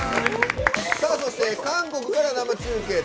さあそして韓国から生中継。